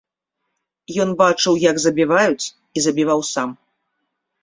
Ён бачыў, як забіваюць і забіваў сам.